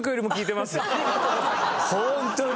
ホントに。